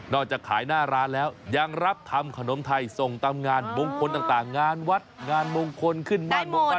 จากขายหน้าร้านแล้วยังรับทำขนมไทยส่งตามงานมงคลต่างงานวัดงานมงคลขึ้นบ้านมงคล